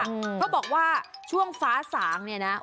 เขาบอกว่าช่วงฟ้าสางเนี่ยนะ